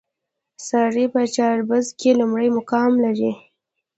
ساره په چلبازۍ کې لومړی مقام لري.